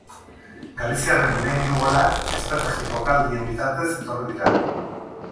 Galiziarren lehen hiru golak estrategi jokaldien bitartez etorri dira.